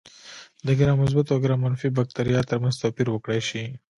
د ګرام مثبت او ګرام منفي بکټریا ترمنځ توپیر وکړای شي.